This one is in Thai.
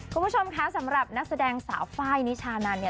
คุณผู้ชมคะสำหรับนักแสดงสาวไฟล์นิชานันเนี่ย